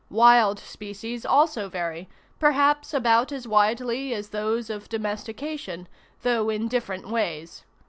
Wild species also vary, perhaps about as widely as those of domestication, though in different ways.